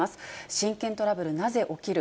親権トラブルなぜ起きる？